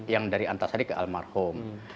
yang dari antasari ke almarhum